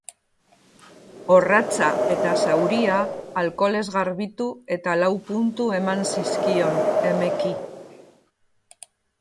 Orratza eta zauria alkoholez garbitu eta lau puntu eman zizkion, emeki.